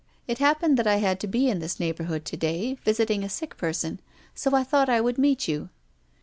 " It happened that I had to be in this neighbourhood to day, visiting a sick person. So I thought I would meet you.